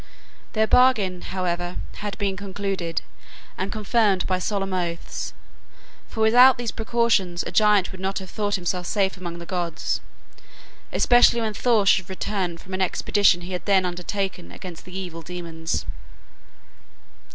Their bargain, however, had been concluded, and confirmed by solemn oaths, for without these precautions a giant would not have thought himself safe among the gods, especially when Thor should return from an expedition he had then undertaken against the evil demons.